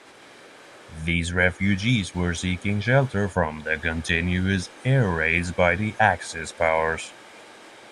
These refugees were seeking shelter from the continuous air raids by the Axis Powers.